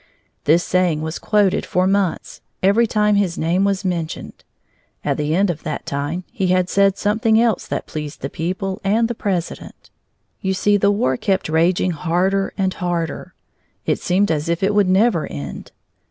This saying was quoted for months, every time his name was mentioned. At the end of that time, he had said something else that pleased the people and the President. You see, the war kept raging harder and harder. It seemed as if it would never end.